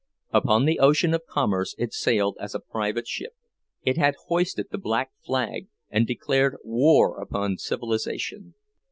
Upon the ocean of commerce it sailed as a pirate ship; it had hoisted the black flag and declared war upon civilization.